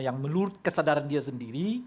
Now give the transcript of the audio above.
yang menurut kesadaran dia sendiri